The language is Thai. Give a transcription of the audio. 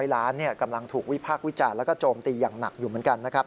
ล้านกำลังถูกวิพากษ์วิจารณ์แล้วก็โจมตีอย่างหนักอยู่เหมือนกันนะครับ